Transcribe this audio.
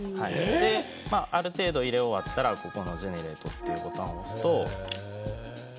ある程度、入れ終わったらジェネレートというボタンを押すと。